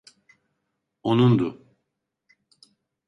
Onundu.